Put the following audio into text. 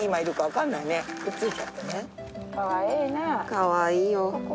かわいいよ。